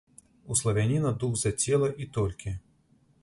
У славяніна дух за цела, і толькі.